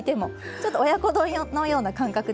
ちょっと親子丼のような感覚でね。